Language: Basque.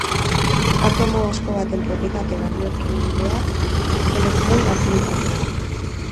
Atomo aske baten propietate baliokidea elektroi-afinitatea da.